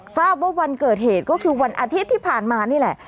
ทราบว่าวันเกิดเหตุก็คือวันอาทิตย์ที่ผ่านมานี่แหละ